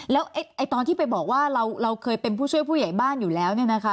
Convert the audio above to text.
แล้วตอนที่ไปบอกว่าเราเคยเป็นผู้ช่วยผู้ใหญ่บ้านอยู่แล้วเนี่ยนะคะ